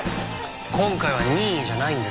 今回は任意じゃないんですわ。